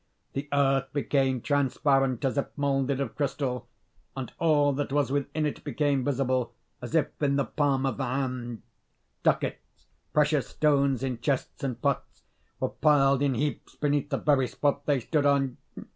The earth became transparent as if moulded of crystal; and all that was within it became visible, as if in the palm of the hand. Ducats, precious stones in chests and pots, were piled in heaps beneath the very spot they stood on.